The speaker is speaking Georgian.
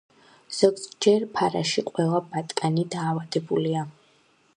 ზოგჯერ ფარაში ყველა ბატკანი დაავადებულია.